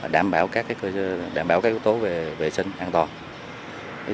đảm bảo các yếu tố về vệ sinh an toàn